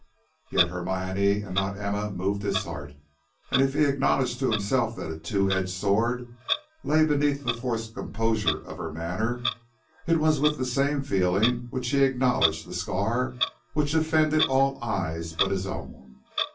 Yet Hermione, and not Emma, moved his heart, and if he acknowledged to himself that a two edged sword lay beneath the forced composure of her manner, it was with the same feelings with which he acknowledged the scar which offended all eyes but his own.